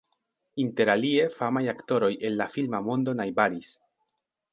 Interalie famaj aktoroj el la filma mondo najbaris.